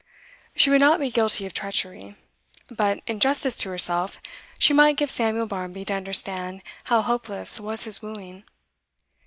She would not be guilty of treachery. But, in justice to herself, she might give Samuel Barmby to understand how hopeless was his wooing.